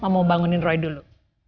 mau bangunin roy dulu